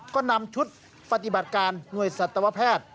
ก็นำชุดภัตริบาตรการง่วยสถวแพทย์